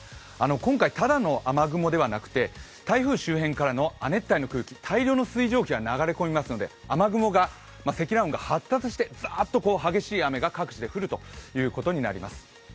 今回ただの雨雲ではなくて台風周辺からの亜熱帯の空気、大量の水蒸気が流れ込みますので、雨雲、積乱雲が発達して激しい雨がザーッと各地で降るということになります。